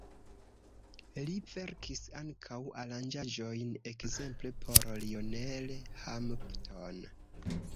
Li verkis ankaŭ aranĝaĵojn ekzemple por Lionel Hampton.